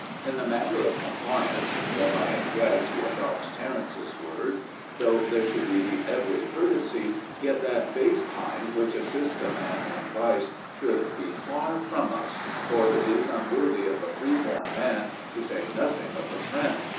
In the matter of compliance (for I am glad to adopt Terence's word), though there should be every courtesy, yet that base kind which assists a man in vice should be far from us, for it is unworthy of a free born man, to say nothing of a friend.